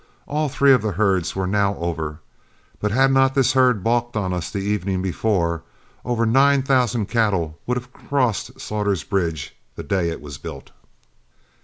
All three of the herds were now over, but had not this herd balked on us the evening before, over nine thousand cattle would have crossed Slaughter's bridge the day it was built.